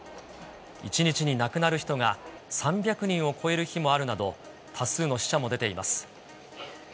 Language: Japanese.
１日に亡くなる人が３００人を超える日もあるなど、多数の死者も出ています。